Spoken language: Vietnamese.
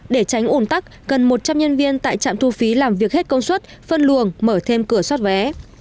để tránh ủn tắc gần một trăm linh nhân viên tại trạm thu phí làm việc hết công suất phân luồng mở thêm cửa xoát vé